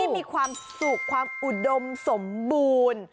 มีความสุขความอุดมสมบูรณ์